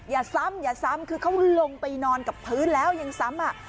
อย่าซ้ำคือเขาลงไปนอนกับพื้นแล้วยังซ้ำอ่ะ